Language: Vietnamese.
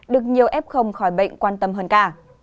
được nhiều f khỏi bệnh quan tâm hơn cả